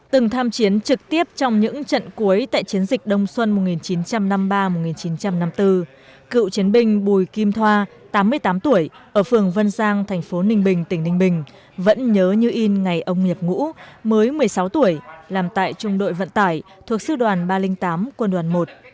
từng tham chiến trực tiếp trong những trận cuối tại chiến dịch đông xuân một nghìn chín trăm năm mươi ba một nghìn chín trăm năm mươi bốn cựu chiến binh bùi kim thoa tám mươi tám tuổi ở phường vân giang thành phố ninh bình tỉnh ninh bình vẫn nhớ như in ngày ông nhập ngũ mới một mươi sáu tuổi làm tại trung đội vận tải thuộc sư đoàn ba trăm linh tám quân đoàn một